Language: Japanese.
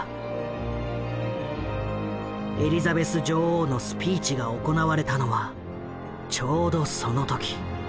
エリザベス女王のスピーチが行われたのはちょうどその時。